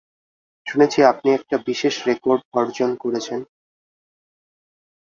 শুনেছি আপনি একটা বিশেষ রেকর্ড অর্জন করেছেন।